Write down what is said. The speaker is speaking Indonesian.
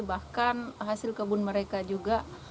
bahkan hasil kebun mereka juga